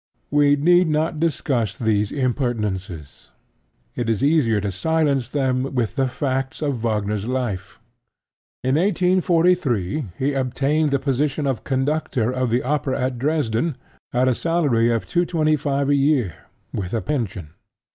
We need not discuss these impertinences: it is easier to silence them with the facts of Wagner's life. In 1843 he obtained the position of conductor of the Opera at Dresden at a salary of L225 a year, with a pension.